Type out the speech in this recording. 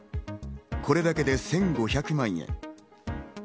これだけで１５００万円。